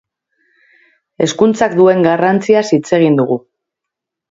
Hezkuntzak duen garrantziaz hitz egin dugu.